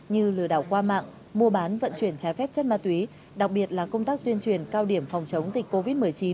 như lừa đảo qua mạng mua bán vận chuyển trái phép chất ma túy đặc biệt là công tác tuyên truyền cao điểm phòng chống dịch covid một mươi chín